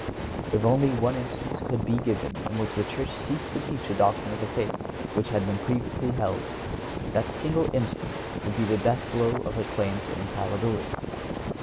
If only one instance could be given in which the Church ceased to teach a doctrine of faith which had been previously held, that single instance would be the death blow of her claim to infallibility.